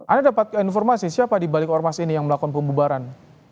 anda dapat informasi siapa dibalik ormas ini yang melakukan pembubaran